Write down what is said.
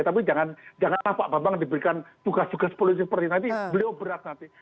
tapi janganlah pak bapak diberikan tugas tugas politik seperti tadi beliau berat nanti